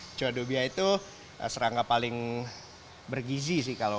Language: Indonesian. kecoa dubia itu serangga paling bergizi sih kalau